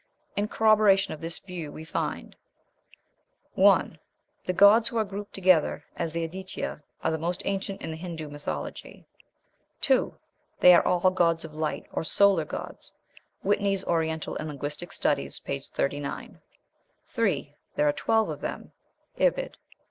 In corroboration of this view we find, 1. The gods who are grouped together as the Aditya are the most ancient in the Hindoo mythology. 2. They are all gods of light, or solar gods. (Whitney's Oriental and Linguistic Studies," p. 39.) 3. There are twelve of them. (Ibid.)